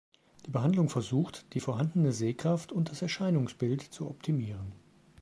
Die Behandlung versucht, die vorhandene Sehkraft und das Erscheinungsbild zu optimieren.